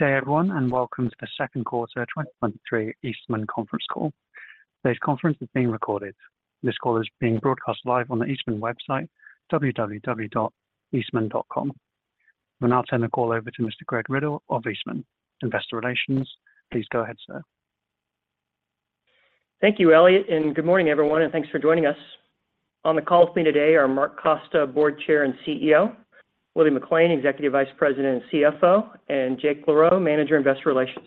Good day, everyone, and welcome to the second quarter 2023 Eastman Conference Call. Today's conference is being recorded. This call is being broadcast live on the Eastman website, www.eastman.com. We'll now turn the call over to Mr. Greg Riddle of Eastman, Investor Relations. Please go ahead, sir. Thank you, Elliot, and good morning, everyone, and thanks for joining us. On the call with me today are Mark Costa, Board Chair and CEO; William McLain, Executive Vice President and CFO; and Jake LaRoe, Manager, Investor Relations.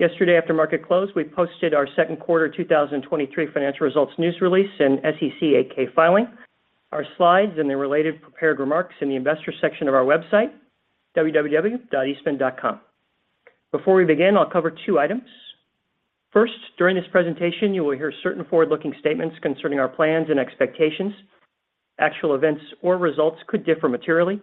Yesterday, after market close, we posted our second quarter 2023 financial results news release and SEC 8-K filing, our slides and the related prepared remarks in the investor section of our website, www.eastman.com. Before we begin, I'll cover two items. First, during this presentation, you will hear certain forward-looking statements concerning our plans and expectations. Actual events or results could differ materially.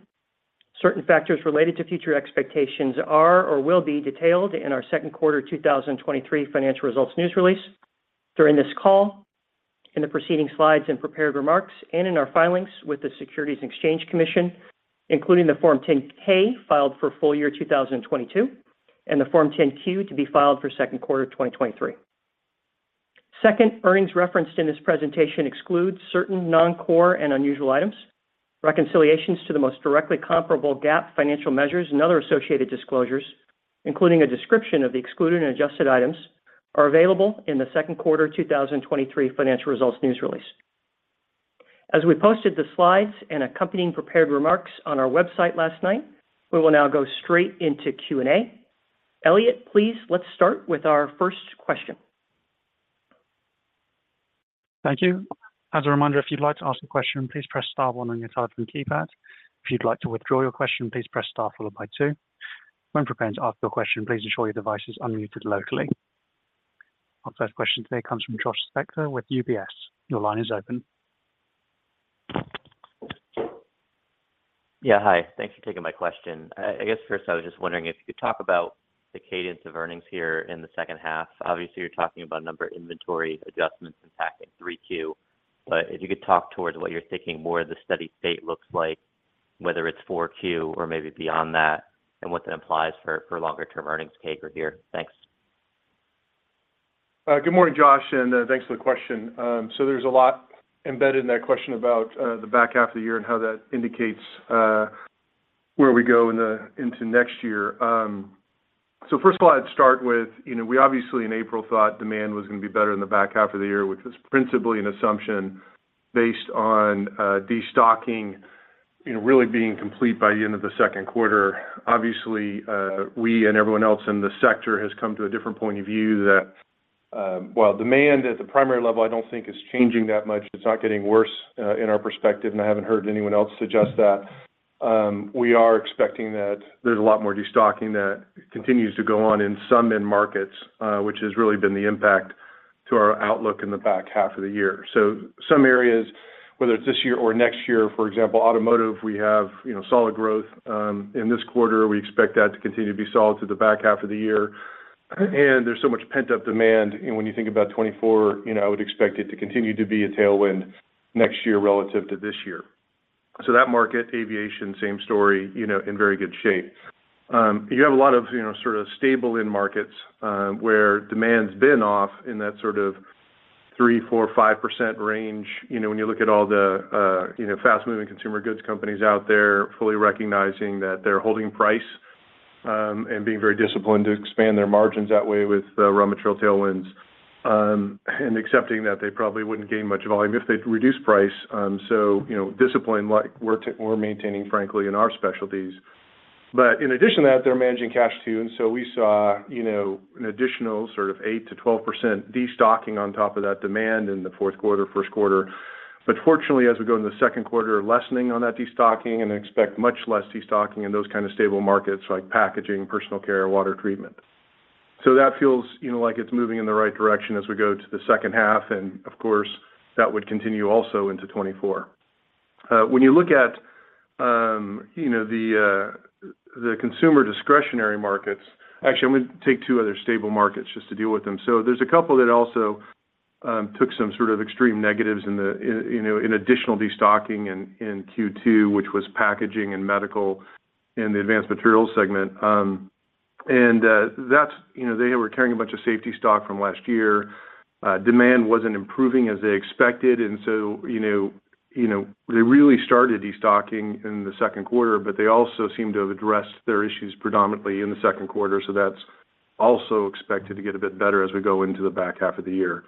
Certain factors related to future expectations are or will be detailed in our second quarter 2023 financial results news release. During this call, in the proceeding slides and prepared remarks, in our filings with the Securities and Exchange Commission, including the Form 10-K, filed for full year 2022, and the Form 10-Q to be filed for second quarter of 2023. Second, earnings referenced in this presentation exclude certain non-core and unusual items. Reconciliations to the most directly comparable GAAP financial measures and other associated disclosures, including a description of the excluded and adjusted items, are available in the second quarter 2023 financial results news release. As we posted the slides and accompanying prepared remarks on our website last night, we will now go straight into Q&A. Elliot, please, let's start with our first question. Thank you. As a reminder, if you'd like to ask a question, please press star one on your telephone keypad. If you'd like to withdraw your question, please press star followed by two. When prepared to ask your question, please ensure your device is unmuted locally. Our first question today comes from Josh Spector with UBS. Your line is open. Yeah, hi. Thanks for taking my question. I guess first I was just wondering if you could talk about the cadence of earnings here in the second half. Obviously, you're talking about a number of inventory adjustments impacting 3Q, but if you could talk towards what you're thinking more of the steady state looks like, whether it's 4Q or maybe beyond that, and what that implies for, for longer term earnings taker here? Thanks. Good morning, Josh, and thanks for the question. There's a lot embedded in that question about the back half of the year and how that indicates where we go into next year. First of all, I'd start with, you know, we obviously in April thought demand was going to be better in the back half of the year, which was principally an assumption based on destocking, you know, really being complete by the end of the second quarter. Obviously, we and everyone else in the sector has come to a different point of view that while demand at the primary level, I don't think is changing that much. It's not getting worse, in our perspective, and I haven't heard anyone else suggest that. We are expecting that there's a lot more destocking that continues to go on in some end markets, which has really been the impact to our outlook in the back half of the year. Some areas, whether it's this year or next year, for example, automotive, we have, you know, solid growth. In this quarter, we expect that to continue to be solid to the back half of the year. There's so much pent-up demand, and when you think about 2024, you know, I would expect it to continue to be a tailwind next year relative to this year. That market, aviation, same story, in very good shape. You have a lot of, you know, sort of stable end markets, where demand's been off in that sort of 3%-5% range. You know, when you look at all the, you know, fast-moving consumer goods companies out there, fully recognizing that they're holding price, being very disciplined to expand their margins that way with raw material tailwinds, and accepting that they probably wouldn't gain much volume if they'd reduced price. You know, discipline like we're maintaining, frankly, in our specialties. In addition to that, they're managing cash, too. We saw, you know, an additional sort of 8%-12% destocking on top of that demand in the fourth quarter, first quarter. Fortunately, as we go into the second quarter, lessening on that destocking and expect much less destocking in those kind of stable markets, like packaging, personal care, water treatment. That feels, you know, like it's moving in the right direction as we go to the second half. Of course, that would continue also into 2024. When you look at, you know, the consumer discretionary markets. Actually, I'm going to take two other stable markets just to deal with them. There's a couple that also took some sort of extreme negatives in the, you know, in additional destocking in Q2, which was packaging and medical in the advanced materials segment. That's, you know, they were carrying a bunch of safety stock from last year. Demand wasn't improving as they expected. You know, you know, they really started destocking in the second quarter. They also seem to have addressed their issues predominantly in the second quarter. That's also expected to get a bit better as we go into the back half of the year,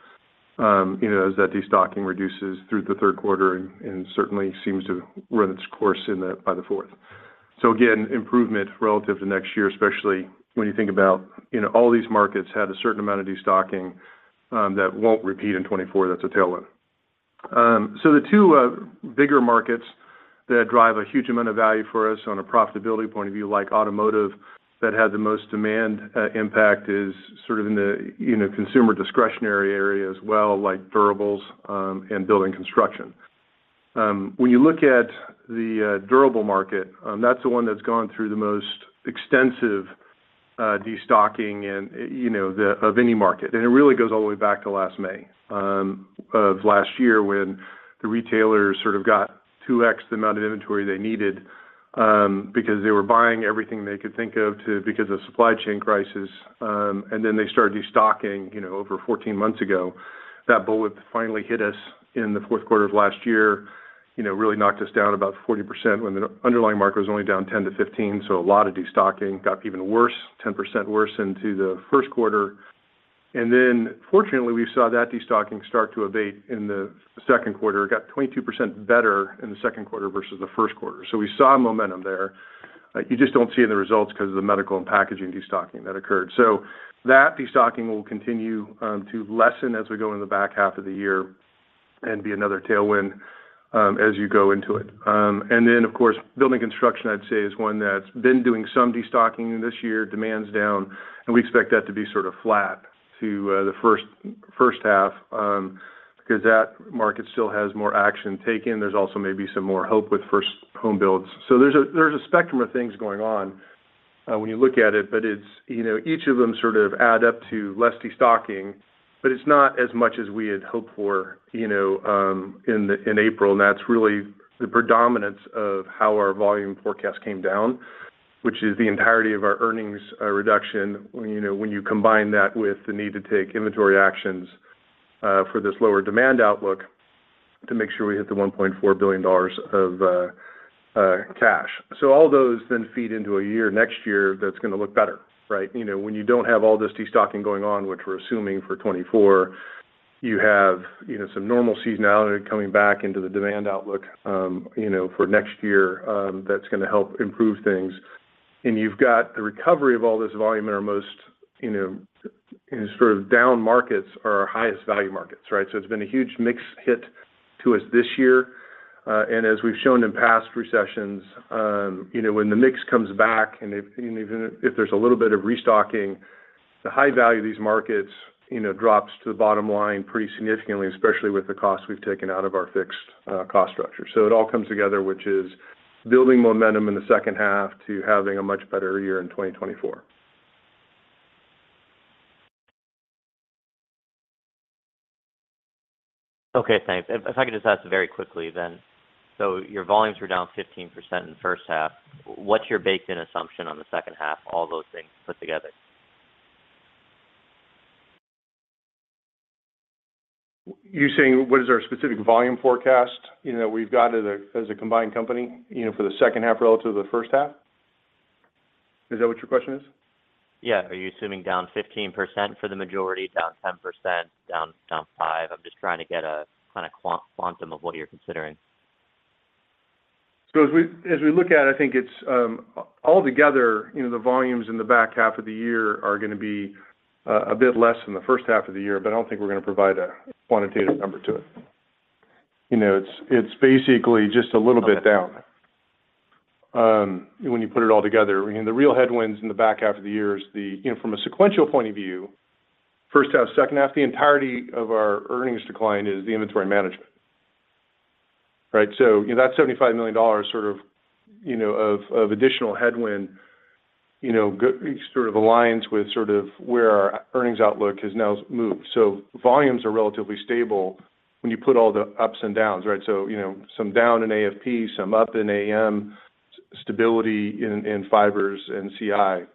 you know, as that destocking reduces through the third quarter and, and certainly seems to run its course by the fourth. Again, improvement relative to next year, especially when you think about, you know, all these markets had a certain amount of destocking, that won't repeat in 2024. That's a tailwind. The two bigger markets that drive a huge amount of value for us on a profitability point of view, like automotive, that have the most demand impact is sort of in the, you know, consumer discretionary area as well, like durables, and building construction. When you look at the durable market, that's the one that's gone through the most extensive destocking and, you know, of any market. It really goes all the way back to last May of last year, the retailers sort of got 2x the amount of inventory they needed because they were buying everything they could think of because of supply chain crisis. Then they started destocking, you know, over 14 months ago. That bullet finally hit us in the fourth quarter of last year, you know, really knocked us down about 40% when the underlying market was only down 10%-15%. A lot of destocking got even worse, 10% worse into the first quarter. Then, fortunately, we saw that destocking start to abate in the second quarter. It got 22% better in the second quarter versus the first quarter. We saw momentum there. You just don't see in the results because of the medical and packaging destocking that occurred. That destocking will continue to lessen as we go in the back half of the year and be another tailwind as you go into it. Of course, building construction, I'd say, is one that's been doing some destocking this year. Demand's down, we expect that to be sort of flat to the first half because that market still has more action taken. There's also maybe some more hope with first home builds. There's a, there's a spectrum of things going on, when you look at it, but it's, you know, each of them sort of add up to less destocking, but it's not as much as we had hoped for, you know, in April. That's really the predominance of how our volume forecast came down, which is the entirety of our earnings reduction. You know, when you combine that with the need to take inventory actions for this lower demand outlook to make sure we hit the $1.4 billion of cash. All those then feed into a year, next year, that's going to look better, right? You know, when you don't have all this destocking going on, which we're assuming for 2024, you have, you know, some normal seasonality coming back into the demand outlook, you know, for next year, that's gonna help improve things. You've got the recovery of all this volume in our most, you know, in sort of down markets or our highest value markets, right? It's been a huge mixed hit to us this year, and as we've shown in past recessions, you know, when the mix comes back, and if, and even if there's a little bit of restocking, the high value of these markets, you know, drops to the bottom line pretty significantly, especially with the cost we've taken out of our fixed cost structure. It all comes together, which is building momentum in the second half to having a much better year in 2024. Okay, thanks. If I could just ask very quickly then. Your volumes were down 15% in the first half. What's your baked in assumption on the second half, all those things put together? You're saying, what is our specific volume forecast, you know, that we've got as a, as a combined company, you know, for the second half relative to the first half? Is that what your question is? Yeah. Are you assuming down 15% for the majority, down 10%, down, down 5? I'm just trying to get a kinda quantum of what you're considering. As we, as we look at it, I think it's, all together, you know, the volumes in the back half of the year are gonna be a bit less than the first half of the year, but I don't think we're gonna provide a quantitative number to it. You know, it's, it's basically just a little bit down, when you put it all together. The real headwinds in the back half of the year is the you know, from a sequential point of view, first half, second half, the entirety of our earnings decline is the inventory management, right? You know, that $75 million, sort of, you know, of, of additional headwind, you know, sort of aligns with sort of where our earnings outlook has now moved. Volumes are relatively stable when you put all the ups and downs, right? You know, some down in AFP, some up in AM, stability in, in fibers and CI,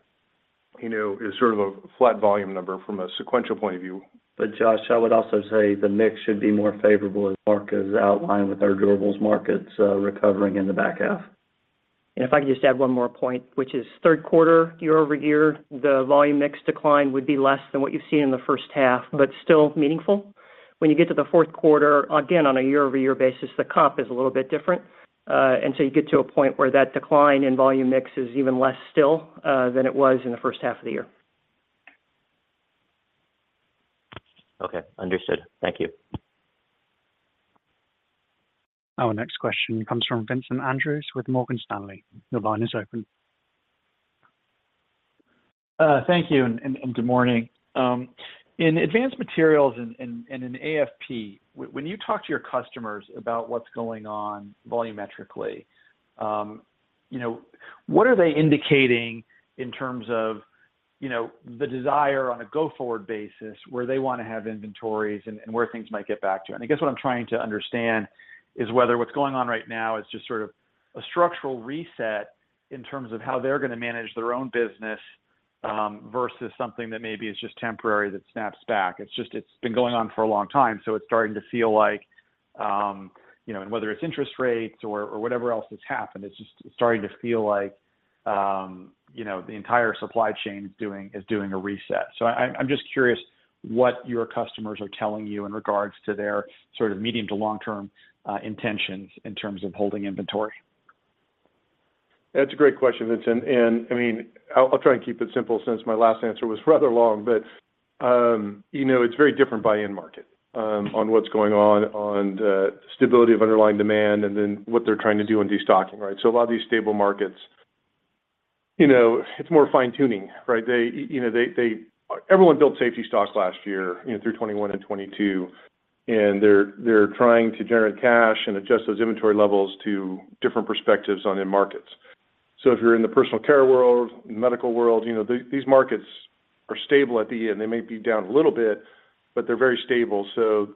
you know, is sort of a flat volume number from a sequential point of view. Josh, I would also say the mix should be more favorable, as Mark has outlined, with our durables markets, recovering in the back half. If I could just add one more point, which is third quarter, year-over-year, the volume mix decline would be less than what you've seen in the first half, but still meaningful. When you get to the fourth quarter, again, on a year-over-year basis, the comp is a little bit different, and so you get to a point where that decline in volume mix is even less still than it was in the first half of the year. Okay, understood. Thank you. Our next question comes from Vincent Andrews with Morgan Stanley. Your line is open. Thank you, and good morning. In advanced materials and, and, and in AFP, when you talk to your customers about what's going on volumetrically, you know, what are they indicating in terms of, you know, the desire on a go-forward basis, where they want to have inventories and, and where things might get back to? I guess what I'm trying to understand is whether what's going on right now is just sort of a structural reset in terms of how they're gonna manage their own business, versus something that maybe is just temporary, that snaps back. It's just, it's been going on for a long time, so it's starting to feel like, you know, and whether it's interest rates or, or whatever else has happened, it's just starting to feel like, you know, the entire supply chain is doing, is doing a reset. I, I'm just curious what your customers are telling you in regards to their sort of medium to long-term, intentions in terms of holding inventory. That's a great question, Vincent, and I mean, I'll, I'll try and keep it simple since my last answer was rather long. You know, it's very different by end market, on what's going on, on the stability of underlying demand and then what they're trying to do in destocking, right? A lot of these stable markets, you know, it's more fine-tuning, right? They, you know, they everyone built safety stocks last year, you know, through 2021 and 2022, and they're, they're trying to generate cash and adjust those inventory levels to different perspectives on end markets. If you're in the personal care world, in medical world, you know, these, these markets are stable at the end. They may be down a little bit, but they're very stable. You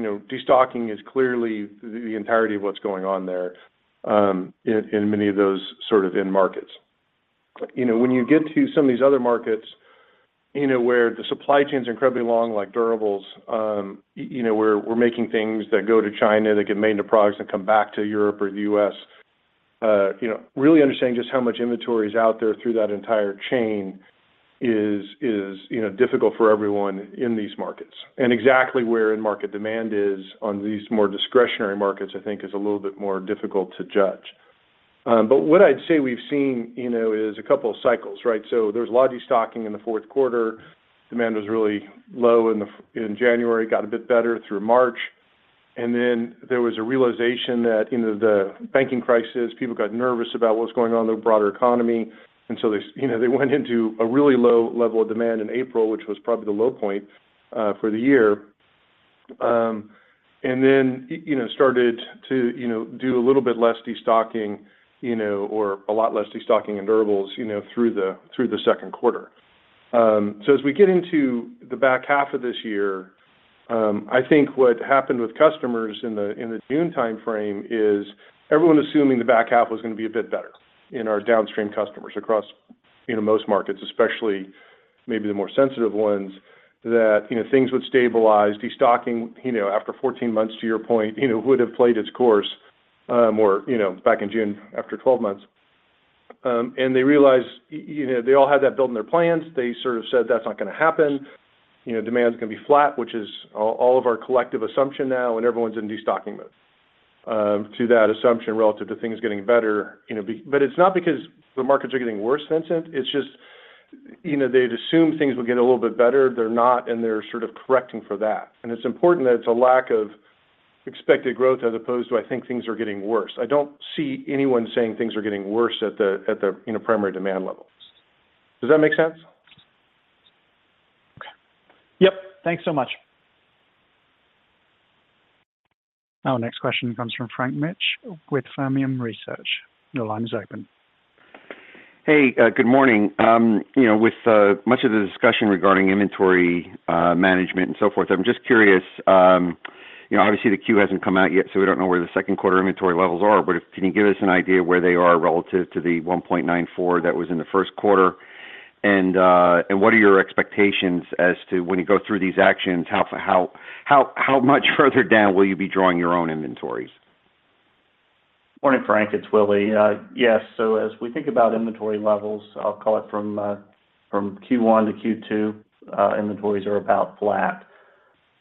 know, destocking is clearly the, the entirety of what's going on there, in, in many of those sort of end markets. You know, when you get to some of these other markets, you know, where the supply chain is incredibly long, like durables, you know, we're, we're making things that go to China, that get made into products, that come back to Europe or the U.S. You know, really understanding just how much inventory is out there through that entire chain is, is, you know, difficult for everyone in these markets. Exactly where end market demand is on these more discretionary markets, I think is a little bit more difficult to judge. But what I'd say we've seen, you know, is a couple of cycles, right? There's loggy stocking in the fourth quarter. Demand was really low in January, got a bit better through March. Then there was a realization that, you know, the banking crisis, people got nervous about what was going on in the broader economy. So they, you know, they went into a really low level of demand in April, which was probably the low point for the year. Then, you know, started to, you know, do a little bit less destocking, you know, or a lot less destocking in durables, you know, through the, through the second quarter. As we get into the back half of this year, I think what happened with customers in the, in the June time frame is everyone assuming the back half was gonna be a bit better in our downstream customers across, you know, most markets, especially maybe the more sensitive ones, that, you know, things would stabilize, destocking, you know, after 14 months, to your point, you know, would have played its course, or, you know, back in June, after 12 months. They realized, you know, they all had that built in their plans. They sort of said, "That's not gonna happen." You know, demand is gonna be flat, which is all, all of our collective assumption now. Everyone's in destocking mode to that assumption relative to things getting better, you know. It's not because the markets are getting worse, Vincent. It's just, you know, they'd assumed things would get a little bit better, they're not, and they're sort of correcting for that. It's important that it's a lack of expected growth, as opposed to, I think things are getting worse. I don't see anyone saying things are getting worse at the, at the, you know, primary demand levels. Does that make sense? Okay. Yep. Thanks so much. Our next question comes from Frank Mitsch with Fermium Research. Your line is open. Hey, good morning. You know, with much of the discussion regarding inventory management and so forth, I'm just curious, you know, obviously, the Q hasn't come out yet, so we don't know where the second quarter inventory levels are, but can you give us an idea where they are relative to the $1.94 that was in the first quarter? What are your expectations as to when you go through these actions, how much further down will you be drawing your own inventories? Morning, Frank, it's Willie. Yes. As we think about inventory levels, I'll call it from Q1 to Q2, inventories are about flat.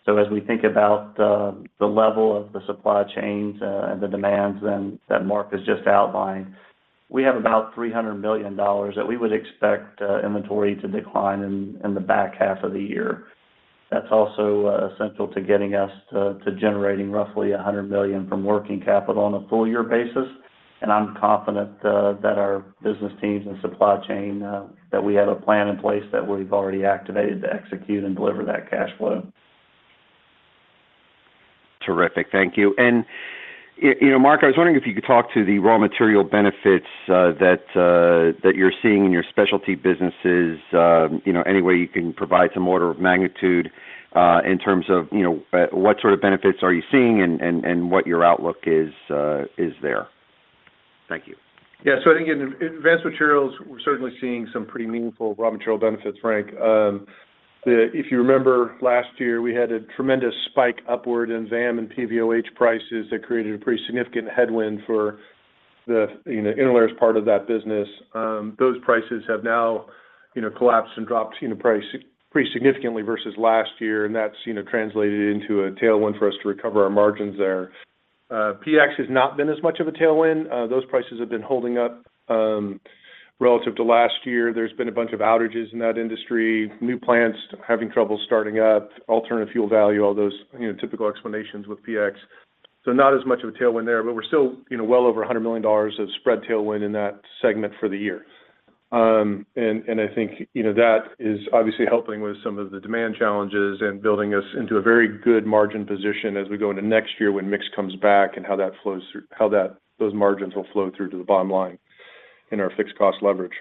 As we think about the, the level of the supply chains, and the demands, then that Mark has just outlined, we have about $300 million that we would expect inventory to decline in, in the back half of the year. That's also essential to getting us to, to generating roughly $100 million from working capital on a full year basis. I'm confident that our business teams and supply chain, that we have a plan in place that we've already activated to execute and deliver that cash flow. Terrific. Thank you. You know, Mark, I was wondering if you could talk to the raw material benefits that you're seeing in your specialty businesses. You know, any way you can provide some order of magnitude in terms of, you know, what sort of benefits are you seeing and, and, and what your outlook is there? Thank you. Yeah. I think in, in advanced materials, we're certainly seeing some pretty meaningful raw material benefits, Frank. If you remember last year, we had a tremendous spike upward in [ZAM] and PVOH prices that created a pretty significant headwind for the, you know, interlayers part of that business. Those prices have now, you know, collapsed and dropped, you know, price pretty significantly versus last year, and that's, you know, translated into a tailwind for us to recover our margins there. PX has not been as much of a tailwind. Those prices have been holding up, relative to last year. There's been a bunch of outages in that industry, new plants having trouble starting up, alternative fuel value, all those, you know, typical explanations with PX. Not as much of a tailwind there, but we're still, you know, well over $100 million of spread tailwind in that segment for the year. And I think, you know, that is obviously helping with some of the demand challenges and building us into a very good margin position as we go into next year when mix comes back and how that flows through those margins will flow through to the bottom line in our fixed cost leverage.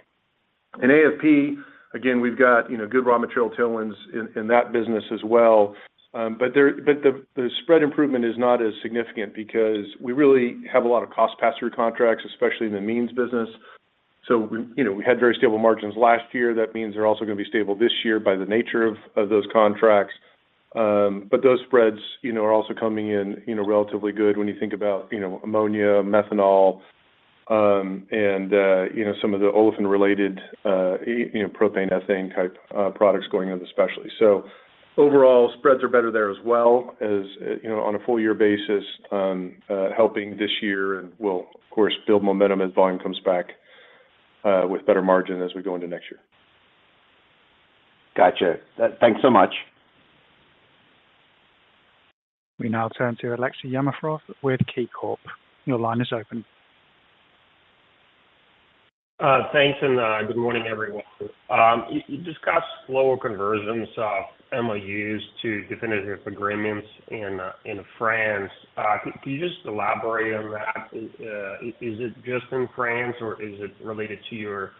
In AFP, again, we've got, you know, good raw material tailwinds in, in that business as well. The spread improvement is not as significant because we really have a lot of cost pass-through contracts, especially in the means business. We, you know, we had very stable margins last year. That means they're also gonna be stable this year by the nature of those contracts. Those spreads, you know, are also coming in, you know, relatively good when you think about, you know, ammonia, methanol, and some of the olefin-related, you know, propane, ethane type products going out especially. Overall, spreads are better there as well as, you know, on a full year basis, helping this year and will, of course, build momentum as volume comes back with better margin as we go into next year. Gotcha. Thanks so much. We now turn to Aleksey Yefremov with KeyBanc. Your line is open. Thanks, and good morning, everyone. You, you discussed slower conversions of MOUs to definitive agreements in France. Can you just elaborate on that? Is it just in France, or is it related to your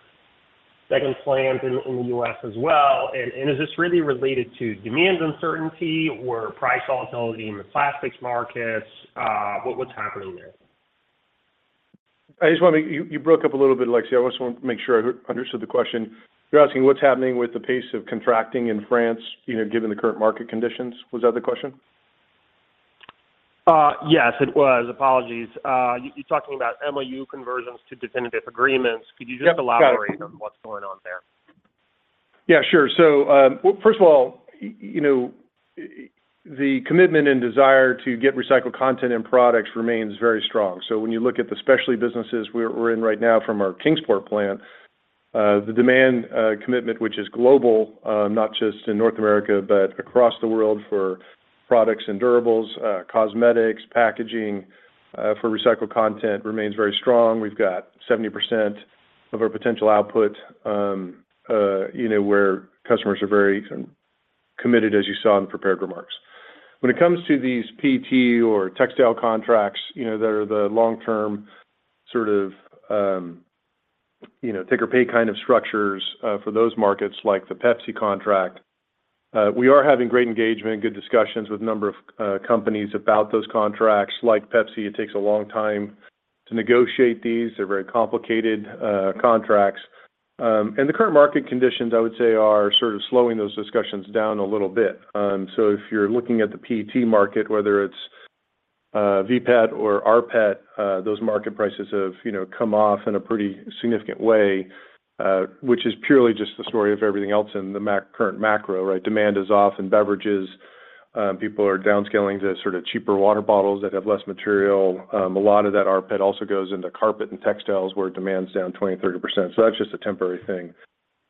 second plant in the U.S. as well? And is this really related to demand uncertainty or price volatility in the plastics markets? What's happening there? You broke up a little bit, Aleksey. I just want to make sure I understood the question. You're asking what's happening with the pace of contracting in France, you know, given the current market conditions? Was that the question? Yes, it was. Apologies. You're talking about MOU conversions to definitive agreements. Yep. Got it. Could you just elaborate on what's going on there? Yeah, sure. Well, first of all, you know, the commitment and desire to get recycled content and products remains very strong. When you look at the specialty businesses we're, we're in right now from our Kingsport plant, the demand, commitment, which is global, not just in North America, but across the world for products and durables, cosmetics, packaging, for recycled content, remains very strong. We've got 70% of our potential output, you know, where customers are very committed, as you saw in the prepared remarks. When it comes to these PET or textile contracts, you know, that are the long-term, sort of, take or pay kind of structures, for those markets, like the Pepsi contract, we are having great engagement and good discussions with a number of companies about those contracts. Like Pepsi, it takes a long time to negotiate these. They're very complicated, contracts. The current market conditions, I would say, are sort of slowing those discussions down a little bit. If you're looking at the PET market, whether it's VPET or rPET, those market prices have, you know, come off in a pretty significant way, which is purely just the story of everything else in the current macro, right? Demand is off in beverages. People are downscaling to sort of cheaper water bottles that have less material. A lot of that rPET also goes into carpet and textiles, where demand is down 20%, 30%. That's just a temporary thing.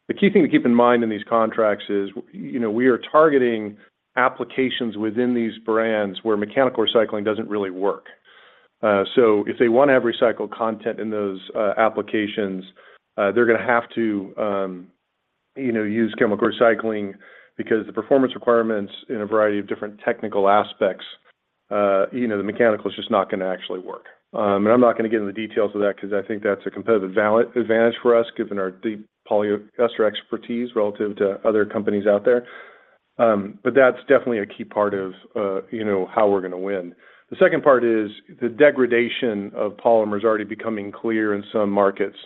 The key thing to keep in mind in these contracts is, you know, we are targeting applications within these brands where mechanical recycling doesn't really work. If they want to have recycled content in those applications, they're going to have to, you know, use chemical recycling because the performance requirements in a variety of different technical aspects, you know, the mechanical is just not going to actually work. I'm not going to get into the details of that because I think that's a competitive advantage for us, given our deep polyester expertise relative to other companies out there. That's definitely a key part of, you know, how we're going to win. The second part is the degradation of polymer is already becoming clear in some markets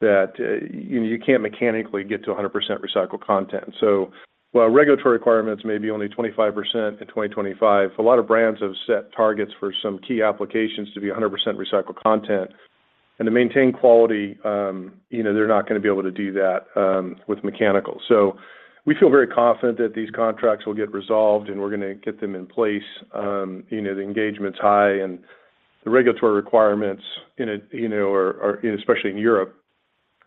that, you, you can't mechanically get to 100% recycled content. While regulatory requirements may be only 25% in 2025, a lot of brands have set targets for some key applications to be 100% recycled content. To maintain quality, you know, they're not going to be able to do that with mechanical. We feel very confident that these contracts will get resolved, and we're going to get them in place. You know, the engagement's high, and the regulatory requirements, especially in Europe,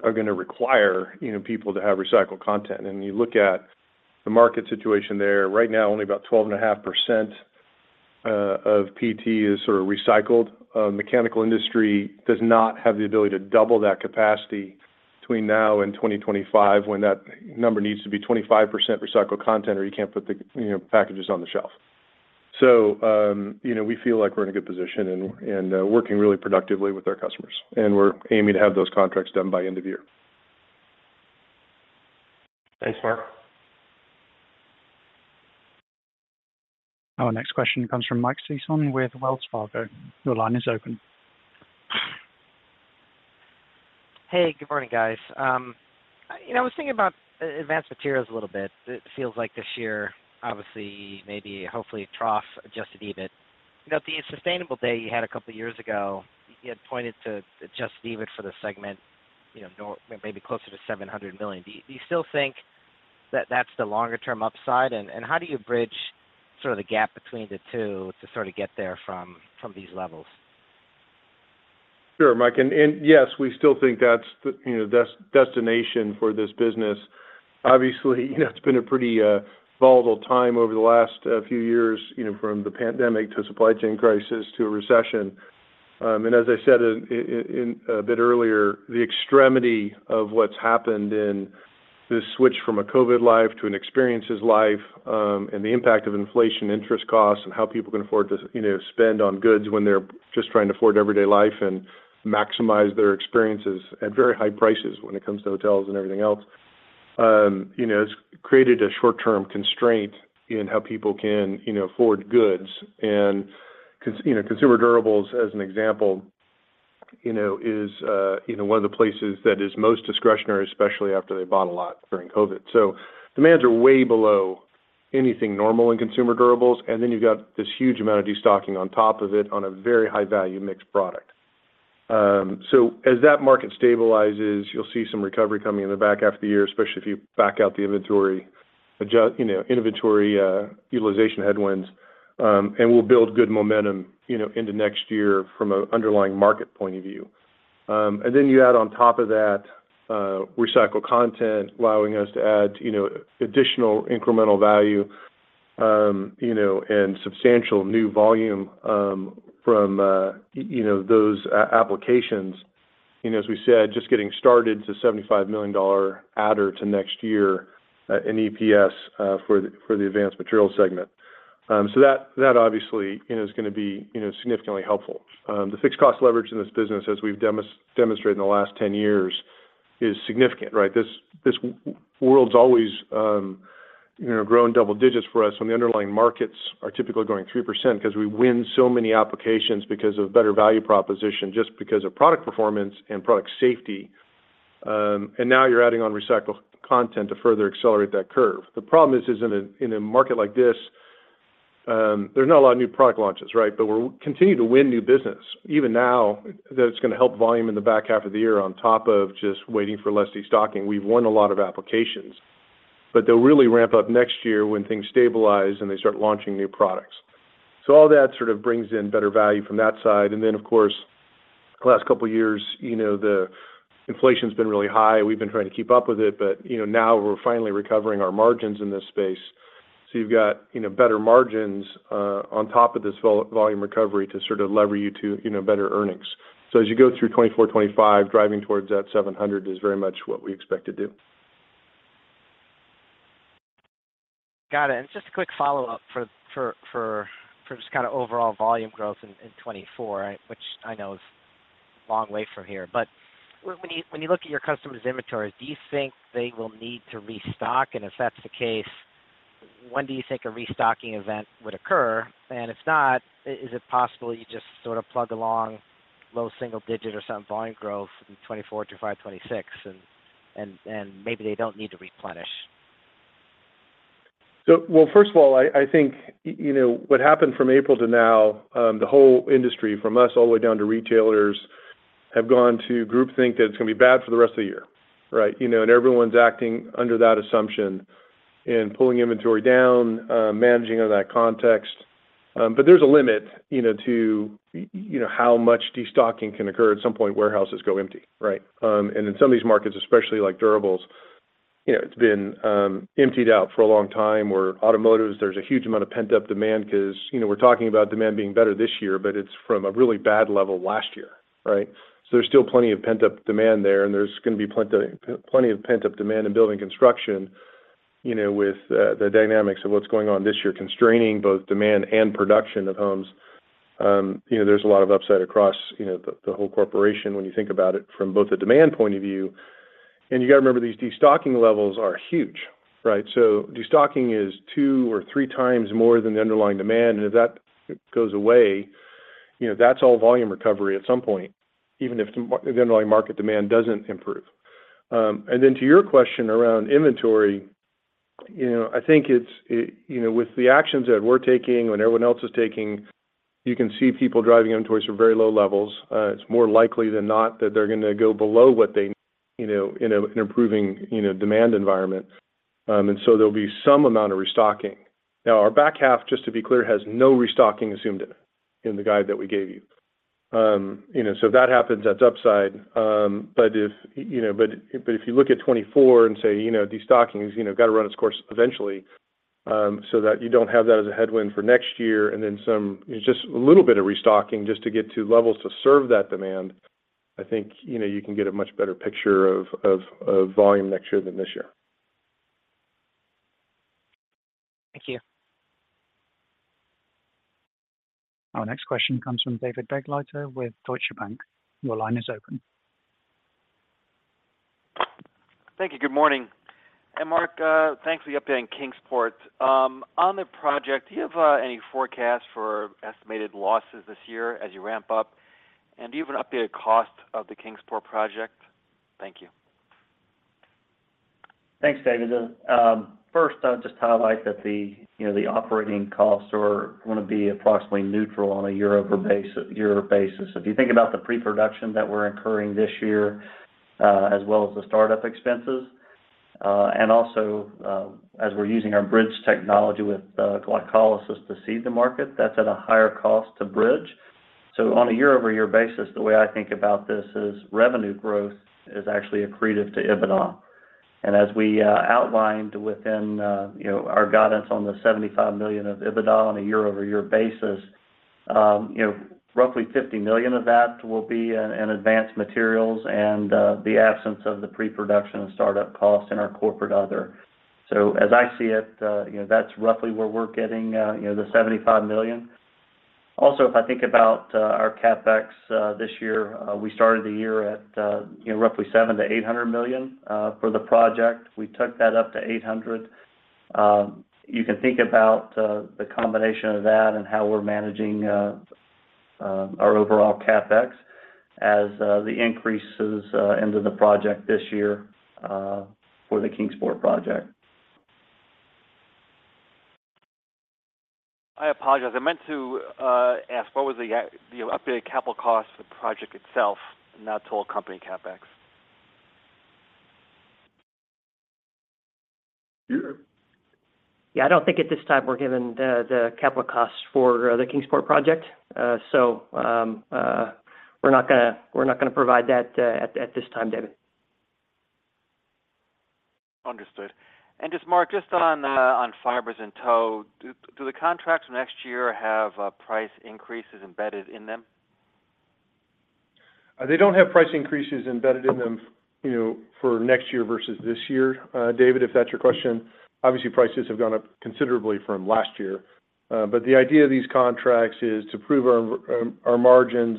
are going to require, you know, people to have recycled content. You look at the market situation there, right now, only about 12.5% of PET is sort of recycled. Mechanical industry does not have the ability to double that capacity between now and 2025, when that number needs to be 25% recycled content, or you can't put the, you know, packages on the shelf. You know, we feel like we're in a good position and, and, working really productively with our customers, and we're aiming to have those contracts done by end of year. Thanks, Mark. Our next question comes from Mike Sison with Wells Fargo. Your line is open. Hey, good morning, guys. you know, I was thinking about Advanced Materials a little bit. It feels like this year, obviously, maybe hopefully trough adjusted EBIT. You know, the sustainable day you had a couple of years ago, you had pointed to adjusted EBIT for the segment, you know, maybe closer to $700 million. Do you still think that that's the longer-term upside, and, and how do you bridge sort of the gap between the two to sort of get there from, from these levels? Sure, Mike, and, yes, we still think that's the, you know, destination for this business. Obviously, you know, it's been a pretty volatile time over the last few years, you know, from the pandemic to a supply chain crisis to a recession. And as I said in, in, a bit earlier, the extremity of what's happened in this switch from a COVID life to an experiences life, and the impact of inflation, interest costs, and how people can afford to, you know, spend on goods when they're just trying to afford everyday life and maximize their experiences at very high prices when it comes to hotels and everything else, you know, it's created a short-term constraint in how people can, you know, afford goods. you know, consumer durables, as an example, you know, is, you know, one of the places that is most discretionary, especially after they bought a lot during COVID. Demands are way below anything normal in consumer durables, and then you've got this huge amount of destocking on top of it on a very high-value, mixed product. As that market stabilizes, you'll see some recovery coming in the back half of the year, especially if you back out the inventory, you know, inventory utilization headwinds, and we'll build good momentum, you know, into next year from an underlying market point of view. Then you add on top of that, recycled content, allowing us to add, you know, additional incremental value, you know, and substantial new volume, from, you know, those applications. You know, as we said, just getting started to $75 million adder to next year in EPS for the Advanced Materials segment. That, that obviously, you know, is gonna be, you know, significantly helpful. The fixed cost leverage in this business, as we've demonstrated in the last 10 years, is significant, right? This world's always, you know, grown double digits for us, when the underlying markets are typically growing 3%, 'cause we win so many applications because of better value proposition, just because of product performance and product safety. And now you're adding on recycled content to further accelerate that curve. The problem is, is in a, in a market like this, there are not a lot of new product launches, right? But we're continue to win new business. Even now, that's gonna help volume in the back half of the year on top of just waiting for less de-stocking. We've won a lot of applications, but they'll really ramp up next year when things stabilize and they start launching new products. All that sort of brings in better value from that side. Then, of course, the last couple of years, you know, the inflation's been really high. We've been trying to keep up with it, but, you know, now we're finally recovering our margins in this space. You've got, you know, better margins, on top of this vol- volume recovery to sort of lever you to, you know, better earnings. As you go through 2024, 2025, driving towards that $700 is very much what we expect to do. Got it. Just a quick follow-up for just kinda overall volume growth in 2024, right? Which I know is a long way from here. When you, when you look at your customers' inventories, do you think they will need to restock? If that's the case, when do you think a restocking event would occur? If not, is it possible you just sort of plug along low single-digit or some volume growth in 2024 to 2026, and maybe they don't need to replenish? Well, first of all, I think, you know, what happened from April to now, the whole industry, from us all the way down to retailers, have gone to groupthink that it's gonna be bad for the rest of the year, right? You know, everyone's acting under that assumption and pulling inventory down, managing in that context. There's a limit, you know, to, you know, how much destocking can occur. At some point, warehouses go empty, right? In some of these markets, especially like durables, you know, it's been, emptied out for a long time, or automotives, there's a huge amount of pent-up demand 'cause, you know, we're talking about demand being better this year, but it's from a really bad level last year, right? There's still plenty of pent-up demand there, and there's gonna be plenty of, plenty of pent-up demand in building construction, you know, with the dynamics of what's going on this year, constraining both demand and production of homes. You know, there's a lot of upside across, you know, the, the whole corporation when you think about it from both the demand point of view. You got to remember, these destocking levels are huge, right? Destocking is two or three times more than the underlying demand, and if that goes away, you know, that's all volume recovery at some point, even if the underlying market demand doesn't improve. Then to your question around inventory, you know, I think it's, you know, with the actions that we're taking and everyone else is taking, you can see people driving inventories from very low levels. It's more likely than not that they're gonna go below what they, you know, in a improving, you know, demand environment. There'll be some amount of restocking. Now, our back half, just to be clear, has no restocking assumed in it, in the guide that we gave you. You know, if that happens, that's upside. If, you know, but if you look at 2024 and say, you know, destocking is, you know, got to run its course eventually, so that you don't have that as a headwind for next year, and then some, just a little bit of restocking just to get to levels to serve that demand, I think, you know, you can get a much better picture of volume next year than this year. Thank you. Our next question comes from David Begleiter with Deutsche Bank. Your line is open. Thank you. Good morning. Mark, thanks for the update on Kingsport. On the project, do you have any forecast for estimated losses this year as you ramp up? Do you have an updated cost of the Kingsport project? Thank you. Thanks, David. first, I'll just highlight that the, you know, the operating costs are gonna be approximately neutral on a year-over-year basis. If you think about the pre-production that we're incurring this year, as well as the start-up expenses, and also, as we're using our bridge technology with glycolysis to seed the market, that's at a higher cost to bridge. On a year-over-year basis, the way I think about this is, revenue growth is actually accretive to EBITDA. as we outlined within, you know, our guidance on the $75 million of EBITDA on a year-over-year basis, you know, roughly $50 million of that will be in, in advanced materials and, the absence of the pre-production and start-up costs in our corporate other. As I see it, you know, that's roughly where we're getting, you know, the $75 million. Also, if I think about our CapEx this year, we started the year at, you know, roughly $700 million-$800 million for the project. We took that up to $800 million. You can think about the combination of that and how we're managing our overall CapEx as the increases into the project this year for the Kingsport project. I apologize. I meant to ask, what was the updated capital cost for the project itself, not total company CapEx? Yeah, I don't think at this time we're given the, the capital costs for the Kingsport project. We're not gonna, we're not gonna provide that at this time, David. Understood. just Mark, just on, on fibers and tow, do, do the contracts next year have, price increases embedded in them? They don't have price increases embedded in them, you know, for next year versus this year. David, if that's your question, obviously, prices have gone up considerably from last year. The idea of these contracts is to prove our margins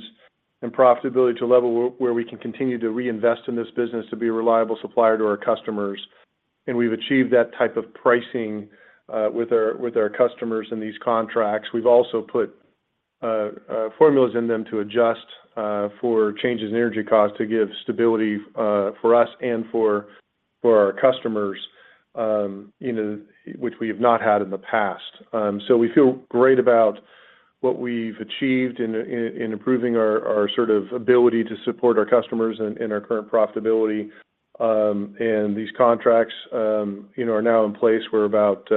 and profitability to a level where, where we can continue to reinvest in this business to be a reliable supplier to our customers. We've achieved that type of pricing with our customers in these contracts. We've also put formulas in them to adjust for changes in energy costs to give stability for us and for our customers, you know, which we have not had in the past. We feel great about what we've achieved in, in, in improving our, our sort of ability to support our customers and, and our current profitability. These contracts, you know, are now in place, where about,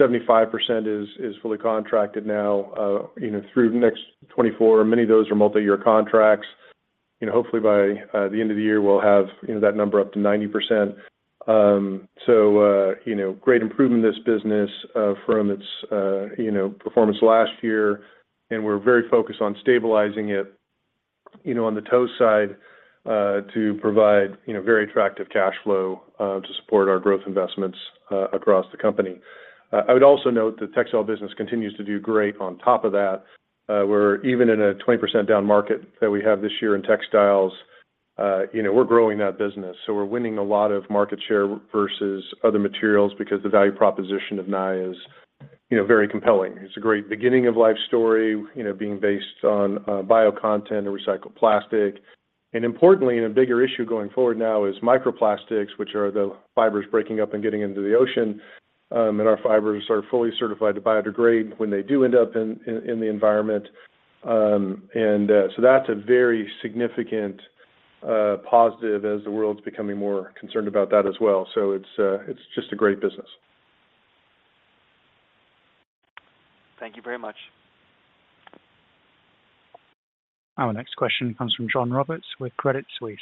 75% is, is fully contracted now, you know, through the next 24, and many of those are multi-year contracts. You know, hopefully, by, the end of the year, we'll have, you know, that number up to 90%. You know, great improvement in this business, from its, you know, performance last year, and we're very focused on stabilizing it, you know, on the tow side, to provide, you know, very attractive cash flow, to support our growth investments a-across the company. I would also note the textile business continues to do great on top of that. We're even in a 20% down market that we have this year in textiles, you know, we're growing that business. We're winning a lot of market share versus other materials because the value proposition of Naia is, you know, very compelling. It's a great beginning of life story, you know, being based on bio content and recycled plastic. Importantly, and a bigger issue going forward now is microplastics, which are the fibers breaking up and getting into the ocean, and our fibers are fully certified to biodegrade when they do end up in, in, in the environment. That's a very significant positive as the world's becoming more concerned about that as well. It's just a great business. Thank you very much. Our next question comes from John Roberts with Credit Suisse.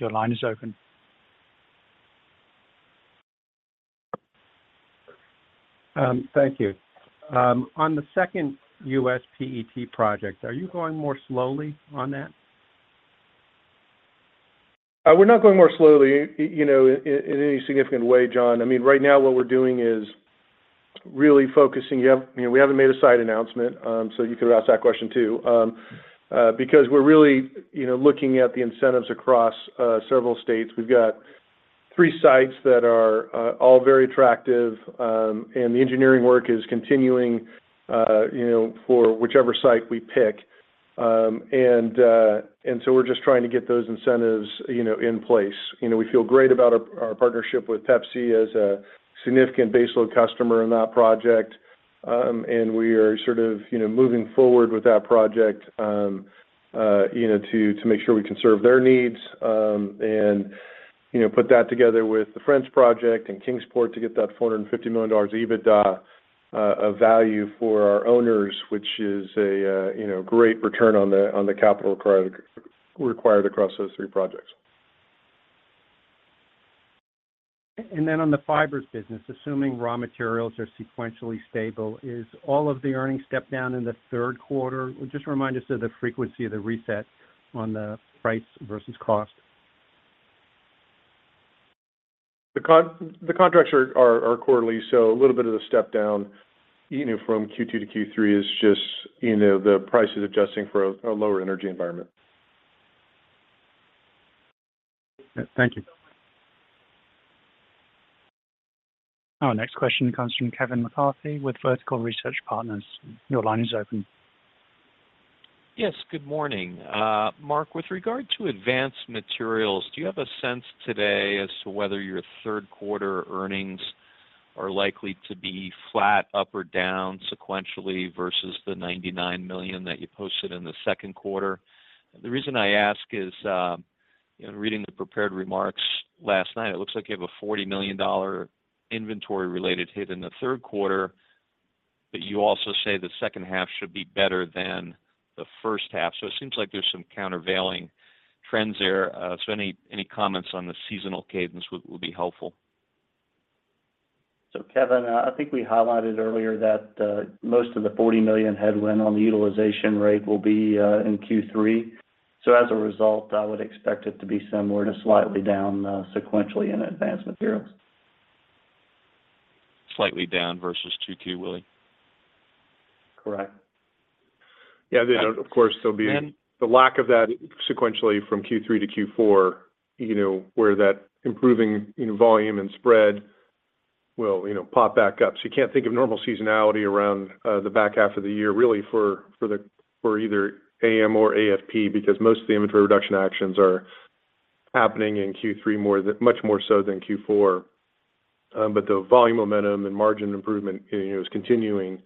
Your line is open. Thank you. On the second U.S. PET project, are you going more slowly on that? We're not going more slowly, you know, in any significant way, John. I mean, right now, what we're doing is really focusing. We haven't, you know, we haven't made a site announcement, so you could ask that question, too. Because we're really, you know, looking at the incentives across several states. We've got three sites that are all very attractive, and the engineering work is continuing, you know, for whichever site we pick. We're just trying to get those incentives, you know, in place. You know, we feel great about our, our partnership with Pepsi as a significant baseload customer in that project. We are sort of, you know, moving forward with that project, you know, to, to make sure we can serve their needs, and, you know, put that together with the French project and Kingsport to get that $450 million EBITDA of value for our owners, which is a, you know, great return on the, on the capital required, required across those three projects. On the fibers business, assuming raw materials are sequentially stable, is all of the earnings stepped down in the third quarter? Just remind us of the frequency of the reset on the price versus cost. The contracts are quarterly, so a little bit of the step down, you know, from Q2 to Q3 is just, you know, the prices adjusting for a lower energy environment. Thank you. Our next question comes from Kevin McCarthy with Vertical Research Partners. Your line is open. Yes, good morning. Mark, with regard to advanced materials, do you have a sense today as to whether your third quarter earnings are likely to be flat, up, or down sequentially versus the $99 million that you posted in the second quarter? The reason I ask is, you know, reading the prepared remarks last night, it looks like you have a $40 million inventory-related hit in the third quarter, but you also say the second half should be better than the first half. It seems like there's some countervailing trends there. any, any comments on the seasonal cadence would, would be helpful. Kevin, I think we highlighted earlier that most of the $40 million headwind on the utilization rate will be in Q3. As a result, I would expect it to be similar to slightly down sequentially in advanced materials. Slightly down versus to Q2, Willie? Correct. Yeah, then, of course, there'll be the lack of that sequentially from Q3 to Q4, you know, where that improving in volume and spread will, you know, pop back up. So you can't think of normal seasonality around the back half of the year, really, for, for either AM or AFP, because most of the inventory reduction actions are happening in Q3 much more so than Q4. But the volume, momentum, and margin improvement, you know, is continuing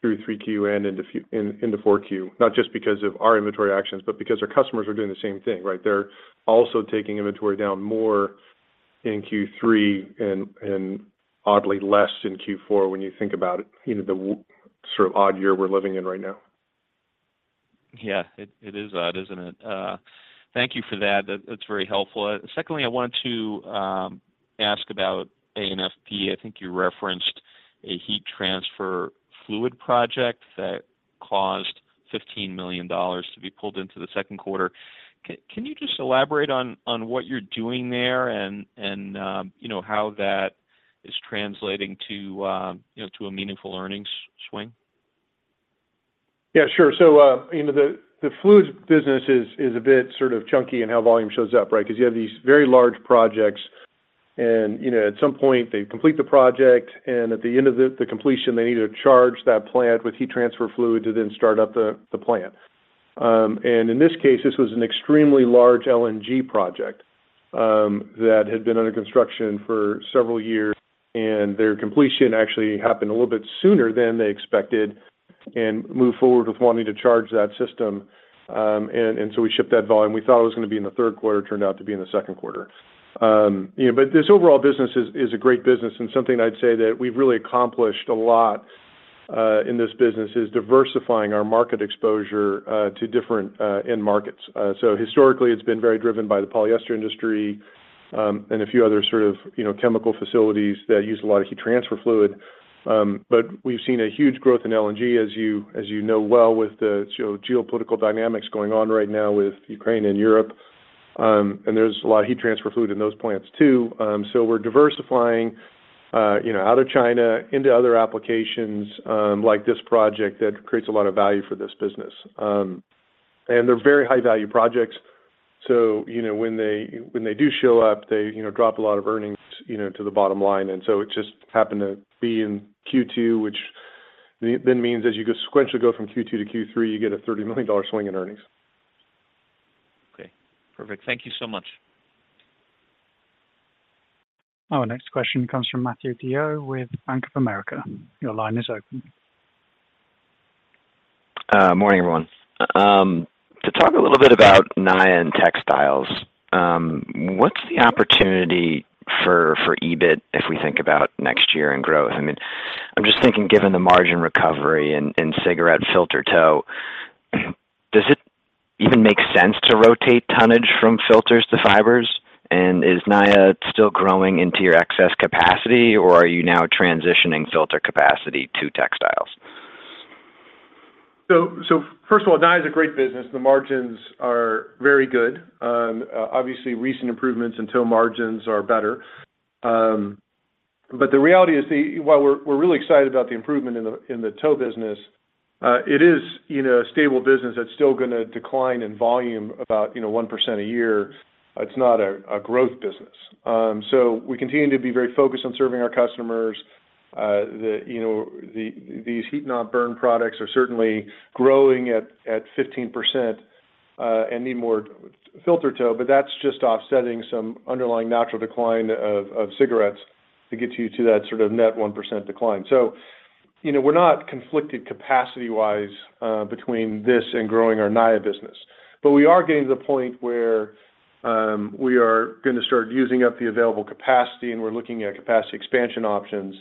through 3Q and into 4Q, not just because of our inventory actions, but because our customers are doing the same thing, right? They're also taking inventory down more in Q3 and, and oddly, less in Q4, when you think about it, you know, the sort of odd year we're living in right now. Yeah, it, it is odd, isn't it? Thank you for that. That, that's very helpful. Secondly, I want to ask about AFP. I think you referenced a heat transfer fluid project that caused $15 million to be pulled into the second quarter. Can you just elaborate on what you're doing there and, you know, how that is translating to, you know, to a meaningful earnings swing? Yeah, sure. You know, the, the fluids business is, is a bit sort of chunky in how volume shows up, right? Because you have these very large projects and, you know, at some point they complete the project, and at the end of the, the completion, they need to charge that plant with heat transfer fluid to then start up the, the plant. In this case, this was an extremely large LNG project, that had been under construction for several years, and their completion actually happened a little bit sooner than they expected and moved forward with wanting to charge that system. We shipped that volume. We thought it was going to be in the third quarter, it turned out to be in the second quarter. You know, this overall business is, is a great business and something I'd say that we've really accomplished a lot in this business, is diversifying our market exposure to different end markets. Historically, it's been very driven by the polyester industry, and a few other sort of, you know, chemical facilities that use a lot of heat transfer fluid. We've seen a huge growth in LNG, as you as you know well, with the geo-geopolitical dynamics going on right now with Ukraine and Europe. There's a lot of heat transfer fluid in those plants, too. We're diversifying, you know, out of China into other applications, like this project that creates a lot of value for this business. They're very high-value projects, so, you know, when they, when they do show up, they, you know, drop a lot of earnings, you know, to the bottom line. It just happened to be in Q2, which then means as you sequentially go from Q2 to Q3, you get a $30 million swing in earnings. Okay, perfect. Thank you so much. Our next question comes from Matthew DeYoe with Bank of America. Your line is open. Morning, everyone. To talk a little bit about Naia and Textiles, what's the opportunity for EBIT if we think about next year and growth? I mean, I'm just thinking, given the margin recovery in cigarette filter tow, does it even make sense to rotate tonnage from filters to fibers? Is Naia still growing into your excess capacity, or are you now transitioning filter capacity to textiles? First of all, Naia is a great business. The margins are very good. Obviously, recent improvements in tow margins are better. But the reality is, the while we're, we're really excited about the improvement in the, in the tow business, it is, you know, a stable business that's still going to decline in volume about, you know, 1% a year. It's not a, a growth business. We continue to be very focused on serving our customers. The, you know, these heat-not-burn products are certainly growing at, at 15%, and need more filter tow, but that's just offsetting some underlying natural decline of, of cigarettes to get you to that sort of net 1% decline. You know, we're not conflicted capacity-wise, between this and growing our Naia business. We are getting to the point where we are going to start using up the available capacity, and we're looking at capacity expansion options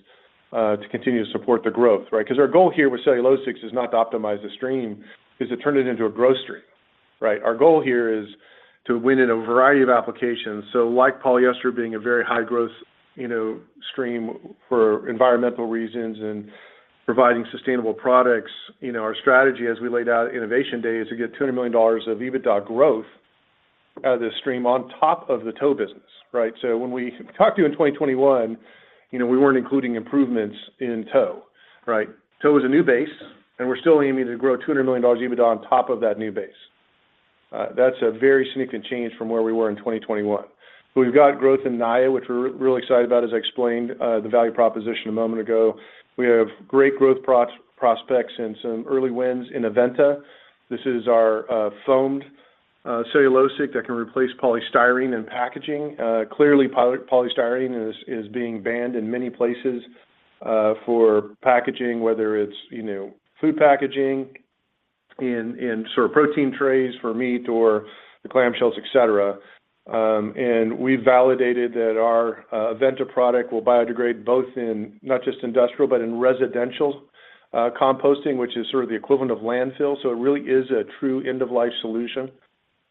to continue to support the growth, right? Our goal here with cellulosic is not to optimize the stream, is to turn it into a growth stream, right? Our goal here is to win in a variety of applications. Like polyester being a very high growth, you know, stream for environmental reasons and providing sustainable products, you know, our strategy as we laid out Innovation Day, is to get $200 million of EBITDA growth out of this stream on top of the tow business, right? When we talked to you in 2021, you know, we weren't including improvements in tow, right? Tow was a new base. We're still aiming to grow $200 million EBITDA on top of that new base. That's a very significant change from where we were in 2021. We've got growth in Naia, which we're really excited about, as I explained the value proposition a moment ago. We have great growth prospects and some early wins in Aventa. This is our foamed cellulosic that can replace polystyrene in packaging. Clearly, polystyrene is being banned in many places for packaging, whether it's, you know, food packaging, in sort of protein trays for meat or the clamshells, et cetera. We validated that our Aventa product will biodegrade both in, not just industrial, but in residential composting, which is sort of the equivalent of landfill. It really is a true end-of-life solution.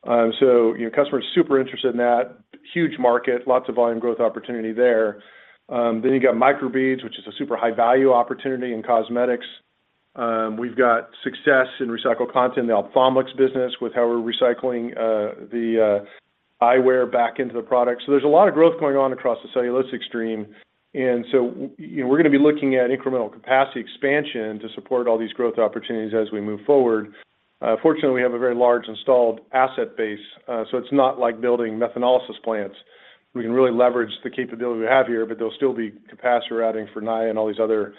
You know, customers are super interested in that. Huge market, lots of volume growth opportunity there. You got microbeads, which is a super high-value opportunity in cosmetics. We've got success in recycled content, the Ophthalmics business, with how we're recycling the eyewear back into the product. There's a lot of growth going on across the cellulosic stream, you know, we're going to be looking at incremental capacity expansion to support all these growth opportunities as we move forward. Fortunately, we have a very large installed asset base, it's not like building methanolysis plants. We can really leverage the capability we have here, there'll still be capacitor routing for Naia and all these other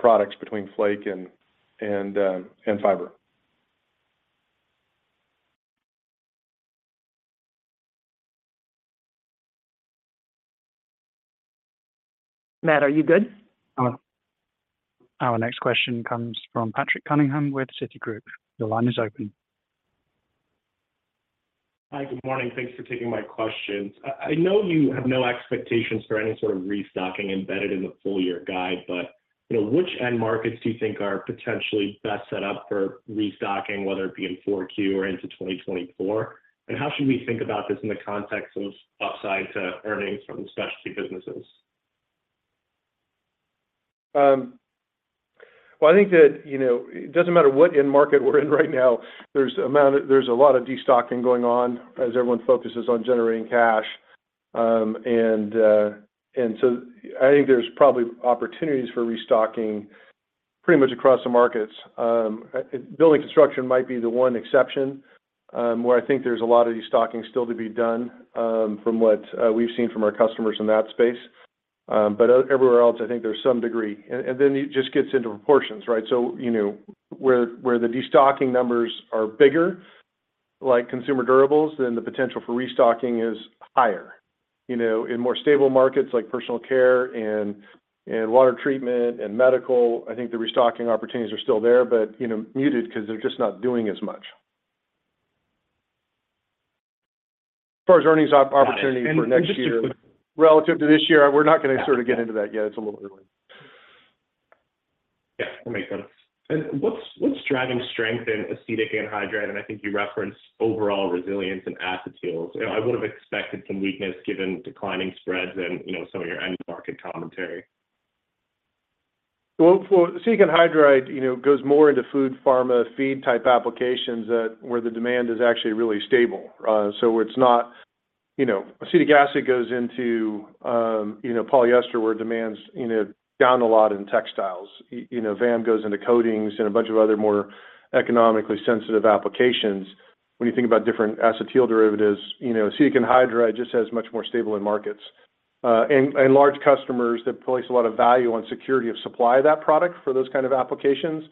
products between flake and fiber. Matt, are you good? Our next question comes from Patrick Cunningham with Citigroup. Your line is open. Hi, good morning. Thanks for taking my questions. I know you have no expectations for any sort of restocking embedded in the full year guide, but you know, which end markets do you think are potentially best set up for restocking, whether it be in 4Q or into 2024? How should we think about this in the context of upside to earnings from the specialty businesses? Well, I think that, you know, it doesn't matter what end market we're in right now, there's a lot of destocking going on as everyone focuses on generating cash. I think there's probably opportunities for restocking pretty much across the markets. Building construction might be the one exception, where I think there's a lot of destocking still to be done, from what we've seen from our customers in that space. Everywhere else, I think there's some degree. It just gets into proportions, right? You know, where, where the destocking numbers are bigger, like consumer durables, then the potential for restocking is higher. You know, in more stable markets like personal care and, and water treatment, and medical, I think the restocking opportunities are still there, but, you know, muted because they're just not doing as much. As far as earnings opportunity for next year relative to this year, we're not gonna sort of get into that yet. It's a little early. Yeah, that makes sense. What's driving strength in acetic anhydride? I think you referenced overall resilience in acetyls. I would have expected some weakness given declining spreads and, you know, some of your end market commentary. Well, for acetic anhydride, you know, goes more into food, pharma, feed-type applications that where the demand is actually really stable. You know, acetic acid goes into, you know, polyester, where demand's, you know, down a lot in textiles. You know, VAM goes into coatings and a bunch of other more economically sensitive applications. When you think about different acetyl derivatives, you know, acetic anhydride just has much more stable end markets, and large customers that place a lot of value on security of supply of that product for those kind of applications.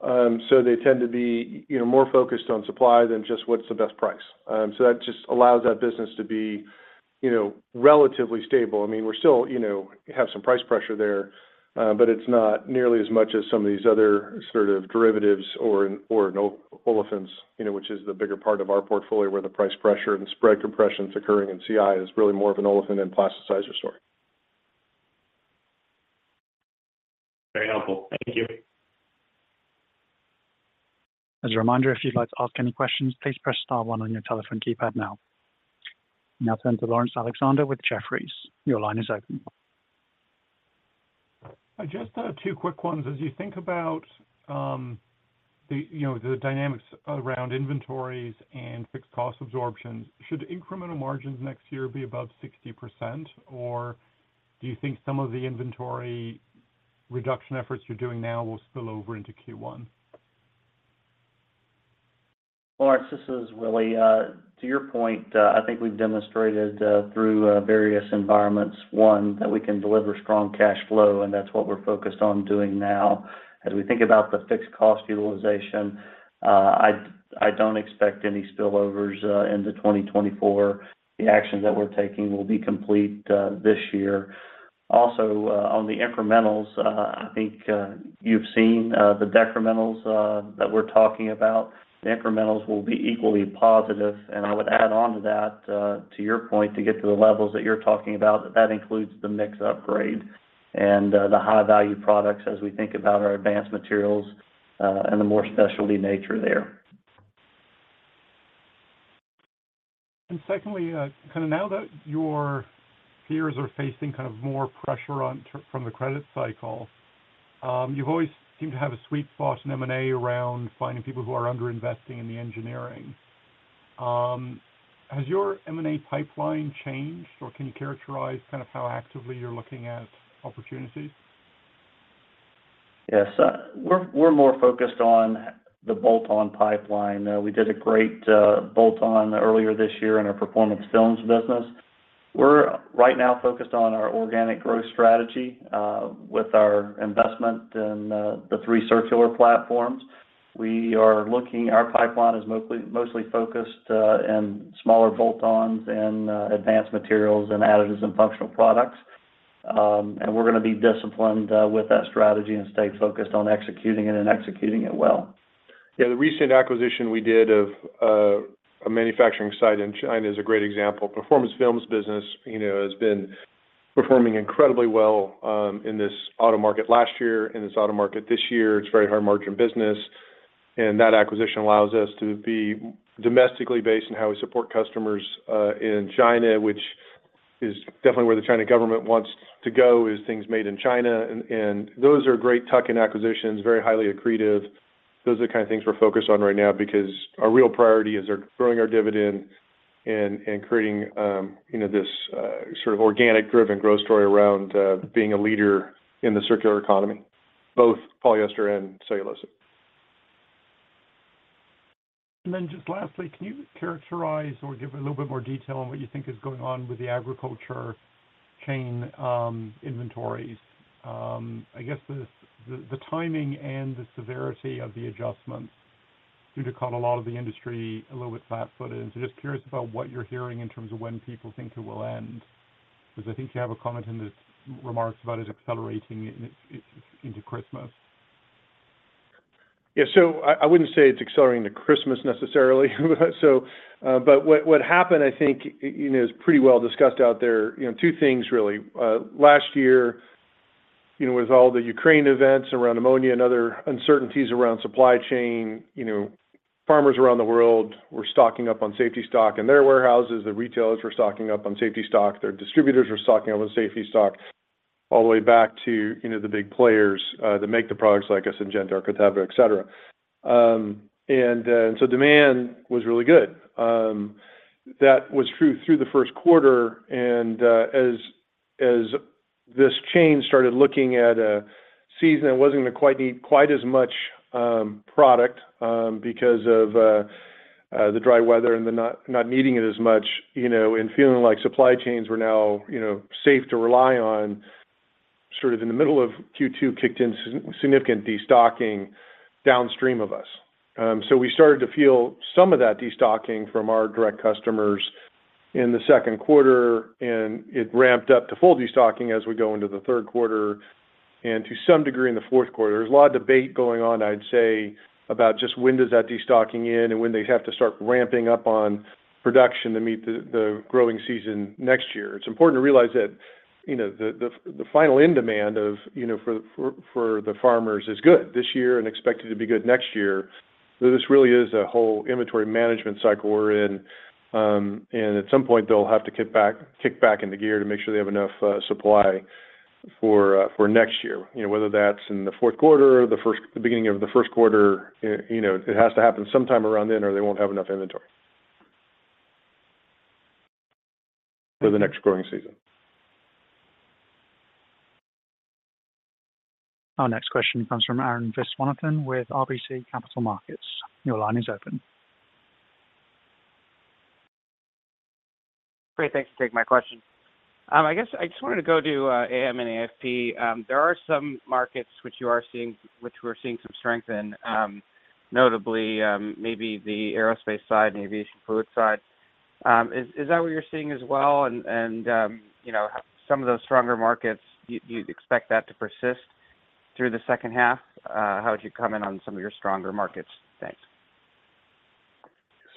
They tend to be, you know, more focused on supply than just what's the best price. That just allows that business to be, you know, relatively stable. I mean, we're still, you know, have some price pressure there, but it's not nearly as much as some of these other sort of derivatives or, or no olefins, you know, which is the bigger part of our portfolio, where the price pressure and spread compression is occurring, and CI is really more of an olefin and plasticizer story. Very helpful. Thank you. As a reminder, if you'd like to ask any questions, please press star one on your telephone keypad now. We now turn to Laurence Alexander with Jefferies. Your line is open. I just have two quick ones. As you think about, the, you know, the dynamics around inventories and fixed cost absorption, should incremental margins next year be above 60%? Do you think some of the inventory reduction efforts you're doing now will spill over into Q1? Laurence, this is Willie. To your point, I think we've demonstrated, through various environments, one, that we can deliver strong cash flow, and that's what we're focused on doing now. As we think about the fixed cost utilization, I, I don't expect any spillovers into 2024. The actions that we're taking will be complete this year. Also, on the incrementals, I think, you've seen the decrementals that we're talking about. The incrementals will be equally positive, I would add on to that, to your point, to get to the levels that you're talking about, that includes the mix upgrade and the high-value products as we think about our advanced materials and the more specialty nature there. Secondly, kind of now that your peers are facing kind of more pressure on from the credit cycle, you've always seemed to have a sweet spot in M&A around finding people who are underinvesting in the engineering. Has your M&A pipeline changed, or can you characterize kind of how actively you're looking at opportunities? Yes. We're, we're more focused on the bolt-on pipeline. We did a great bolt-on earlier this year in our performance films business. We're right now focused on our organic growth strategy, with our investment in the three circular platforms. Our pipeline is mostly, mostly focused in smaller bolt-ons and advanced materials and additives and functional products. We're going to be disciplined with that strategy and stay focused on executing it and executing it well. Yeah, the recent acquisition we did of a manufacturing site in China is a great example. Performance films business, you know, has been performing incredibly well in this auto market last year, in this auto market this year. It's very high-margin business, and that acquisition allows us to be domestically based in how we support customers in China, which is definitely where the China government wants to go, is things made in China. Those are great tuck-in acquisitions, very highly accretive. Those are the kind of things we're focused on right now because our real priority is growing our dividend and creating, you know, this sort of organic driven growth story around being a leader in the circular economy, both polyester and cellulose. Then just lastly, can you characterize or give a little bit more detail on what you think is going on with the agriculture chain, inventories? I guess the, the, the timing and the severity of the adjustments seem to caught a lot of the industry a little bit flat-footed. And so just curious about what you're hearing in terms of when people think it will end. Because I think you have a comment in the remarks about it accelerating it, it into Christmas. I wouldn't say it's accelerating to Christmas necessarily. What, what happened, I think, you know, is pretty well discussed out there. You know, two things really. Last year, you know, with all the Ukraine events around ammonia and other uncertainties around supply chain, you know, farmers around the world were stocking up on safety stock in their warehouses. The retailers were stocking up on safety stock. Their distributors were stocking up on safety stock all the way back to, you know, the big players, that make the products like et cetera. Demand was really good. That was through the first quarter, as this chain started looking at a season that wasn't gonna quite need quite as much product because of the dry weather and the not needing it as much, you know, and feeling like supply chains were now, you know, safe to rely on, sort of in the middle of Q2, kicked in significant destocking downstream of us. We started to feel some of that destocking from our direct customers in the second quarter, and it ramped up to full destocking as we go into the third quarter and to some degree, in the fourth quarter. There's a lot of debate going on, I'd say, about just when does that destocking end and when they'd have to start ramping up on production to meet the growing season next year. It's important to realize that, you know, the, the, the final end demand of, you know, for, for, for the farmers is good this year and expected to be good next year. This really is a whole inventory management cycle we're in, and at some point they'll have to kick back into gear to make sure they have enough supply for next year. You know, whether that's in the fourth quarter or the beginning of the first quarter, you know, it has to happen sometime around then, or they won't have enough inventory for the next growing season. Our next question comes from Arun Viswanathan with RBC Capital Markets. Your line is open. Great, thanks for taking my question. I guess I just wanted to go to AM and AFP. There are some markets which we're seeing some strength in, notably, maybe the aerospace side, aviation fluid side. Is that what you're seeing as well? You know, some of those stronger markets, do you expect that to persist through the second half? How would you comment on some of your stronger markets? Thanks.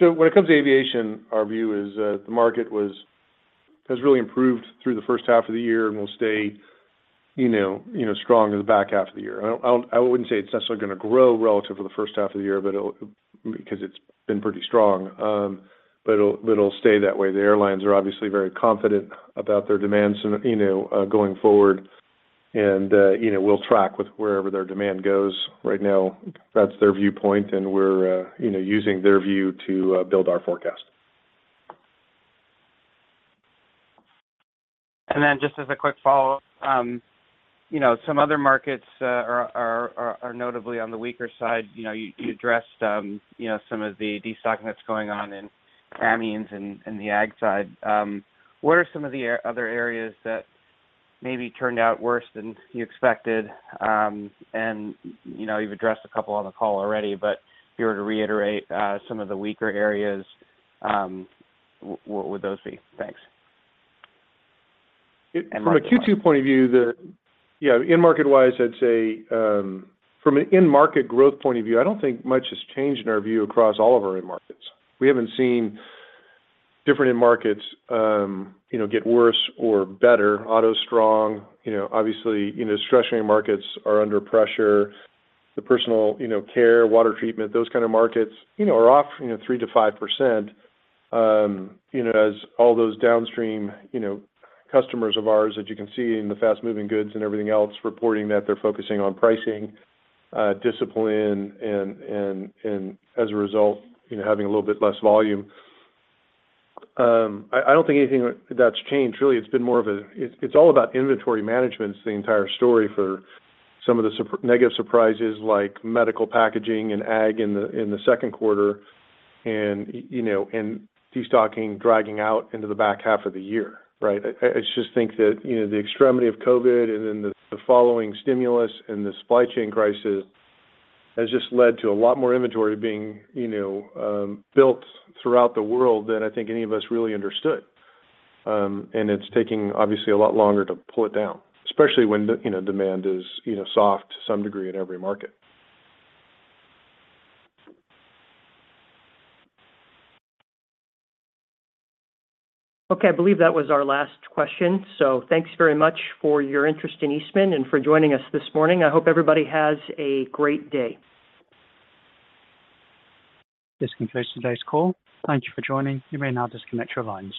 When it comes to aviation, our view is that the market has really improved through the first half of the year and will stay, you know, you know, strong in the back half of the year. I don't, I wouldn't say it's necessarily gonna grow relative to the first half of the year, but because it's been pretty strong, but it'll, but it'll stay that way. The airlines are obviously very confident about their demands, and, you know, going forward and, you know, we'll track with wherever their demand goes. Right now, that's their viewpoint, and we're, you know, using their view to build our forecast. Then just as a quick follow-up, you know, some other markets, are, are, are, are notably on the weaker side. You know, you, you addressed, you know, some of the destocking that's going on in amines and, and the ag side. What are some of the other areas that maybe turned out worse than you expected? You know, you've addressed a couple on the call already, but if you were to reiterate, some of the weaker areas, what, what would those be? Thanks. From a Q2 point of view, the, you know, end market-wise, I'd say, from an end market growth point of view, I don't think much has changed in our view across all of our end markets. We haven't seen different end markets, you know, get worse or better. Auto, strong, you know, obviously, you know, discretionary markets are under pressure. The personal, you know, care, water treatment, those kind of markets, you know, are off, you know, 3%-5%, you know, as all those downstream, you know, customers of ours that you can see in the fast-moving goods and everything else, reporting that they're focusing on pricing discipline, and, and, and as a result, you know, having a little bit less volume. I, I don't think anything that's changed, really, it's been more of a. It's all about inventory management is the entire story for some of the negative surprises like medical packaging and ag in the second quarter, and, you know, and destocking dragging out into the back half of the year, right? I just think that, you know, the extremity of COVID and then the following stimulus and the supply chain crisis has just led to a lot more inventory being, you know, built throughout the world than I think any of us really understood. It's taking obviously a lot longer to pull it down, especially when the, you know, demand is, you know, soft to some degree in every market. Okay, I believe that was our last question. Thanks very much for your interest in Eastman and for joining us this morning. I hope everybody has a great day. This concludes today's call. Thank you for joining. You may now disconnect your lines.